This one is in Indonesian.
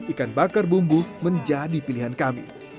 ikan bakar bumbu menjadi pilihan kami